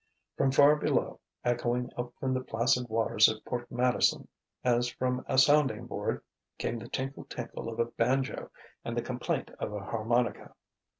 From far below, echoing up from the placid waters of Port Madison as from a sounding board, came the tinkle tinkle of a banjo and the complaint of a harmonica.